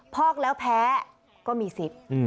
พอกแล้วแพ้ก็มีสิทธิ์